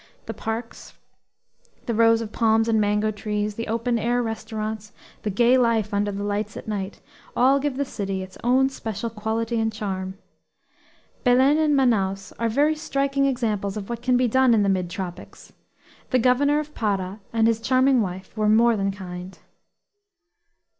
The parks, the rows of palms and mango trees, the open air restaurants, the gay life under the lights at night, all give the city its own special quality and charm. Belen and Manaos are very striking examples of what can be done in the mid tropics. The governor of Para and his charming wife were more than kind.